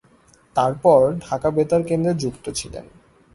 তারপর ঢাকা বেতার কেন্দ্রে যুক্ত ছিলেন।